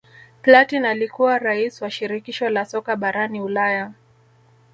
platin alikuwa rais wa shirikisho la soka barani Ulaya